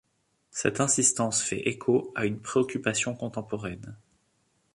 Cette insistance fait écho à une préoccupation contemporaine.